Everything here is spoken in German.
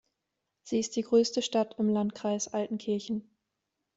Sie ist die größte Stadt im Landkreis Altenkirchen.